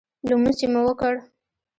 لمونځ چې مو وکړ.